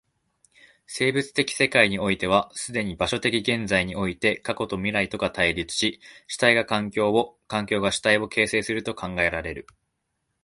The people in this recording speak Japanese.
生物的世界においては既に場所的現在において過去と未来とが対立し、主体が環境を、環境が主体を形成すると考えられる。